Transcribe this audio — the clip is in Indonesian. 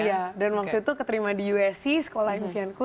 iya dan waktu itu keterima di usc sekolah impianku